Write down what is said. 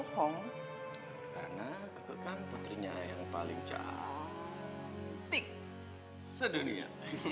karena keke kan putrinya yang paling caaaatik sedunia